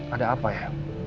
ada apa ya